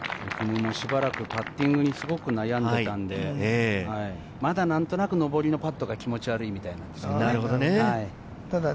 夢もしばらくパッティングにすごく悩んでいたんで、まだなんとなく上りのパットが気持ち悪いみたいな。